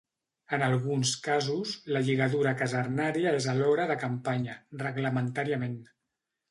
En alguns casos, la lligadura casernària és alhora de campanya, reglamentàriament.